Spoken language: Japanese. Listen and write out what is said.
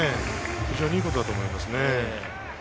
非常にいいことだと思いますね。